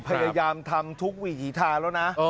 พยายามทำทุกวิถีทางแล้วนะ